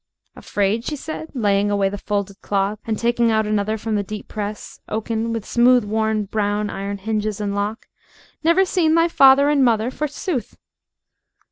"Afraid?" she said, laying away the folded cloth and taking out another from the deep press, oaken, with smooth worn, brown iron hinges and lock; "never seen thy father and mother, forsooth!"